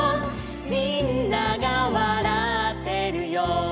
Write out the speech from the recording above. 「みんながわらってるよ」